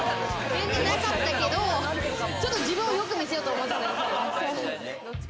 全然なかったけど、ちょっと自分をよく見せようと思った。